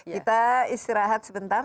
kita istirahat sebentar